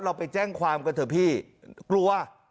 เราไปแจ้งความกันเถอะพี่กลัว